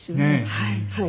はいはい。